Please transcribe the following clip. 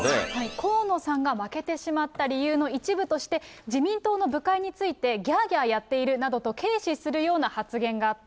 河野さんが負けてしまった理由の一部として、自民党の部会についてぎゃーぎゃーやっているなどと軽視するような発言があった。